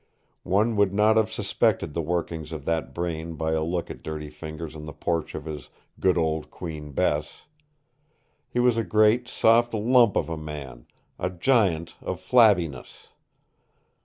One would not have suspected the workings of that brain by a look at Dirty Fingers on the porch of his Good Old Queen Bess. He was a great soft lump of a man, a giant of flabbiness.